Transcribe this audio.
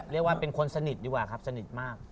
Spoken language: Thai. เรียกว่าเป็นคนสนิทดีกว่าครับสนิทมาก